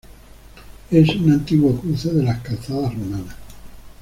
Es un antiguo cruce de las calzadas romanas.